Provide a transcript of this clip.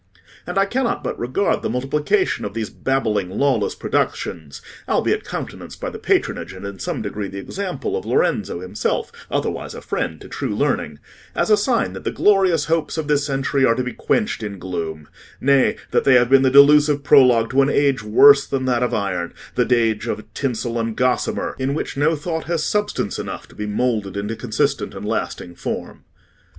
And I cannot but regard the multiplication of these babbling, lawless productions, albeit countenanced by the patronage, and in some degree the example of Lorenzo himself, otherwise a friend to true learning, as a sign that the glorious hopes of this century are to be quenched in gloom; nay, that they have been the delusive prologue to an age worse than that of iron—the age of tinsel and gossamer, in which no thought has substance enough to be moulded into consistent and lasting form."